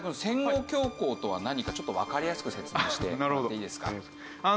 戦後恐慌とは何かちょっとわかりやすく説明してもらっていいですか？